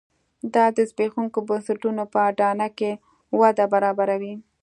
دا د زبېښونکو بنسټونو په اډانه کې وده برابروي.